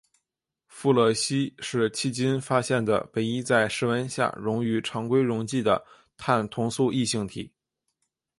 富勒烯是迄今发现的唯一在室温下溶于常规溶剂的碳同素异性体。